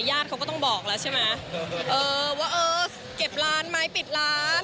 ญาติเขาก็ต้องบอกแล้วใช่ไหมเออว่าเออเก็บร้านไหมปิดร้าน